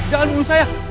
jangan bunuh saya